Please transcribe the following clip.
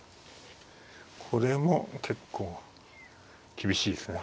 これも結構厳しいですね。